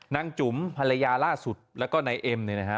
จุ๋มภรรยาล่าสุดแล้วก็นายเอ็มเนี่ยนะฮะ